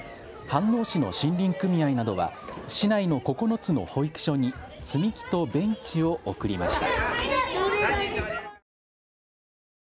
飯能市の森林組合などは市内の９つの保育所に積み木とベンチを贈りました。